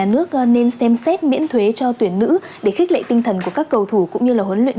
đó là miễn thuế để khích lệ tinh thần các cầu thủ cũng như ban huấn luyện